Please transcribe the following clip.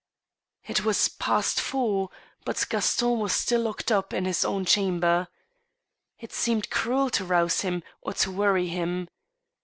It was past four, but Gaston was still locked up in his own chamber. It seemed cruel to rouse him, or to worry him.